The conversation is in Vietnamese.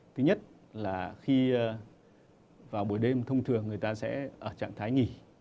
thứ nhất là khi vào buổi đêm thông thường người ta sẽ ở trạng thái nghỉ